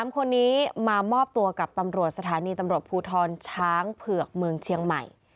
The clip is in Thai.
๓คนนี้มามอบตัวกับตำรวจสถานีตำรวจภูทรช้างเผือกเมืองเชียงใหม่